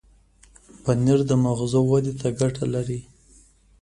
پنېر د مغزو ودې ته ګټه لري.